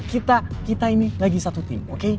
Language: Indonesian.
kita kita ini lagi satu tim